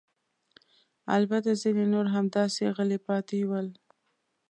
البته ځیني نور همداسې غلي پاتې ول.